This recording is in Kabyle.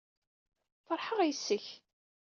Feṛḥeɣ yes-k.